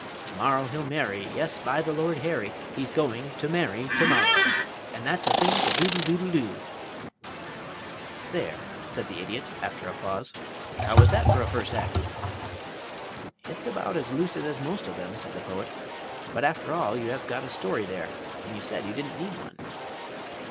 To morrow he'll marry, Yes, by the Lord Harry, He's go ing to marry to mor row! And that's a thing to doodle doodle doo. "There," said the Idiot, after a pause. "How is that for a first act?" "It's about as lucid as most of them," said the Poet, "but after all you have got a story there, and you said you didn't need one."